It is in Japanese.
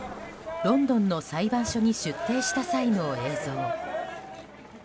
ロンドンの裁判所に出廷した際の映像。